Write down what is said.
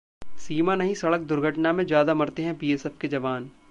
सीमा नहीं सड़क दुर्घटना में ज्यादा मरते हैं बीएसएफ के जवान